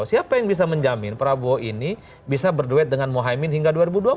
siapa yang bisa menjamin prabowo ini bisa berduet dengan mohaimin hingga dua ribu dua puluh empat